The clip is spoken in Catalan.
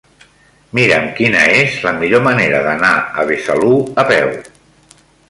Mira'm quina és la millor manera d'anar a Besalú a peu.